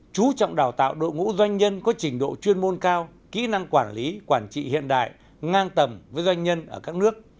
chú trọng đào tạo đội ngũ doanh nhân có trình độ chuyên môn cao kỹ năng quản lý quản trị hiện đại ngang tầm với doanh nhân ở các nước